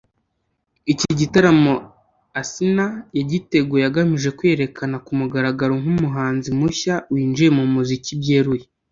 Iki gitaramo Asinah yagiteguye agamije kwiyerekana ku mugaragaro nk’umuhanzi mushya winjiye mu muziki byeruye